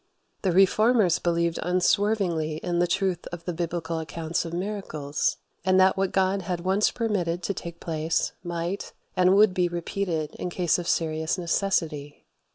The Reformers believed unswervingly in the truth of the Biblical accounts of miracles, and that what God had once permitted to take place might and would be repeated in case of serious necessity.